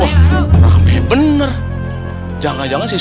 ustadz diarah pak aceh